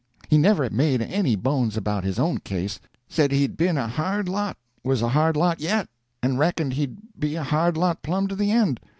He never made any bones about his own case; said he'd been a hard lot, was a hard lot yet, and reckoned he'd be a hard lot plumb to the end.